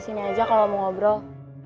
sini aja kalau mau ngobrol